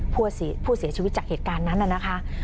ผู้เสียชีวิตจากเหตุการณ์นั้นน่ะนะคะ